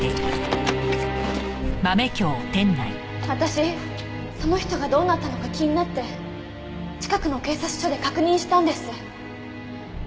私その人がどうなったのか気になって近くの警察署で確認したんです。